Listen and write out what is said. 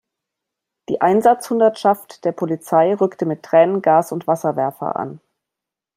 Die Einsatzhundertschaft der Polizei rückte mit Tränengas und Wasserwerfer an.